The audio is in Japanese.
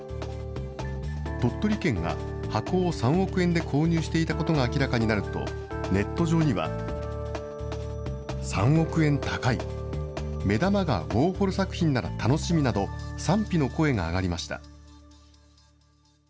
鳥取県が箱を３億円で購入していたことが明らかになると、ネット上には、３億円高い、目玉がウォーホル作品なら楽しみなど、賛否の声が上がりました。